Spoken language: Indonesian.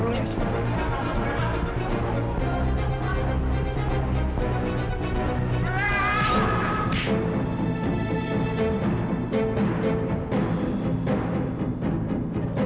jangan dong jangan dong